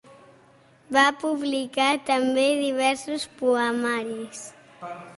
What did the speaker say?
Va publicar també diversos poemaris.